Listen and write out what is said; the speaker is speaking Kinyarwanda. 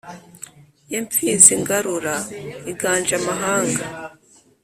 Ye Mfizi ngarura iganje amahanga